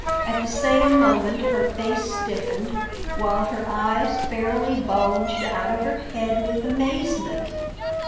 At the same moment her face stiffened, while her eyes fairly bulged out of her head with amazement.